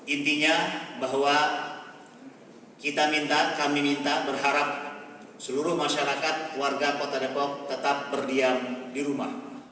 intinya bahwa kita minta kami minta berharap seluruh masyarakat warga kota depok tetap berdiam di rumah